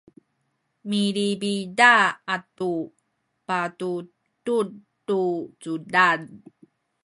milipida atu patudud tu cudad